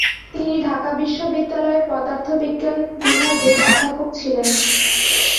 তিনি ঢাকা বিশ্ববিদ্যালয়ের পদার্থবিজ্ঞান বিভাগের অধ্যাপক ছিলেন।